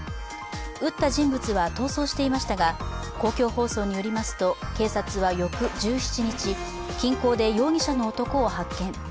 撃った人物は逃走していましたが、公共放送によりますと警察は翌１７日、近郊で容疑者の男を発見。